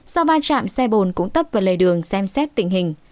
sau ba chạm xe bồn cũng tấp vào lề đường xem xét tình hình